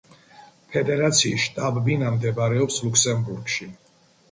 ფედერაციის შტაბ-ბინა მდებარეობს ლუქსემბურგში.